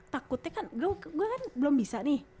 takutnya kan gue kan belum bisa nih